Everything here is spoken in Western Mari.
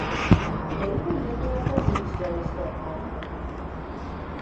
— Тӹнь военный академиш вӓрештӓт, — маныныт.